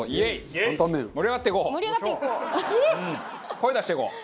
声出していこう！